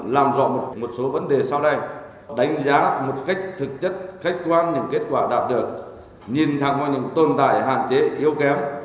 làm rõ một số vấn đề sau này đánh giá một cách thực chất khách quan những kết quả đạt được nhìn thẳng vào những tồn tại hạn chế yếu kém